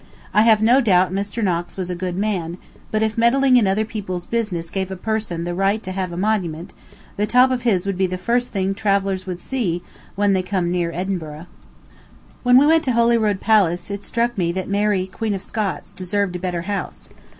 I have no doubt Mr. Knox was a good man, but if meddling in other people's business gave a person the right to have a monument, the top of his would be the first thing travellers would see when they come near Edinburgh. When we went to Holyrood Palace it struck me that Mary Queen of Scots deserved a better house.